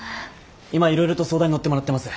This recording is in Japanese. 今いろいろと相談に乗ってもらってます。